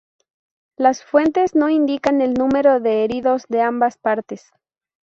Las fuentes no indican el número de heridos de ambas partes.